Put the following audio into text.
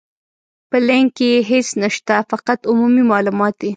په لينک کې هيڅ نشته، فقط عمومي مالومات دي.